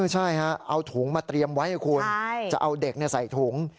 ใช่เอาถุงมาเตรียมไว้ให้คุณจะเอาเด็กใส่ถุง